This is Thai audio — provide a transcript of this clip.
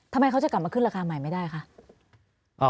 ทำไมเขาจะกลับมาขึ้นราคาใหม่ไม่ได้คะ